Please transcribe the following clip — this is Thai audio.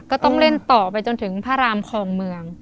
ก็ต้องเล่นต่อไปจนถึงพระรามคลองเมือง